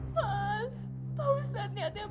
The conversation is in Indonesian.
pak ustadz niatnya baik cuma mau ngajarin aku agama